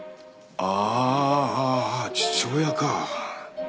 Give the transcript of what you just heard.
ああ父親か。